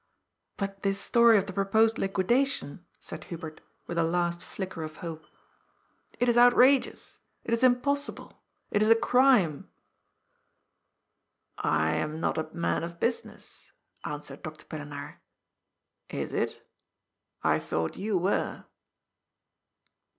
" But this story of the proposed liquidation," said Hu bert, with a last flicker of hope. " It is outrageous. It is impossible. It is a crime." " I am not a man of business," answered Dr. Pillenaar. " Is it ? I thought you were."